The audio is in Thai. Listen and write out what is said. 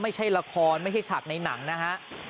ไม่ใช่ละครไม่ใช่ฉากในหนังนะฮะ